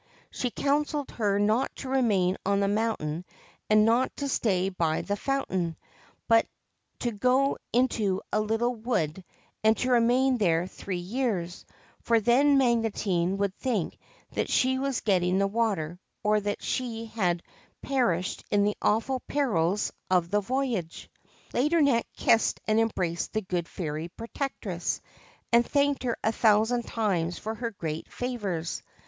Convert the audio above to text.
She counselled her not to remain on the mountain and not to stay by the fountain, but to go into a little wood and to remain there three years, for then Magotine would think that she was getting the water or that she had perished in the awful perils of the voyage. Laideronnette kissed and embraced the good Fairy Protectress, and thanked her a thousand times for her great favours.